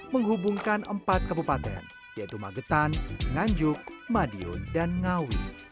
menghubungkan empat kabupaten yaitu magetan nganjuk madiun dan ngawi